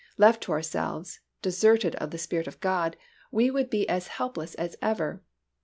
Left to ourselves, deserted of the Spirit of God, we would be as helpless as ever.